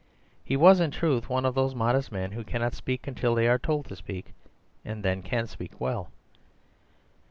He was, in truth, one of those modest men who cannot speak until they are told to speak; and then can speak well.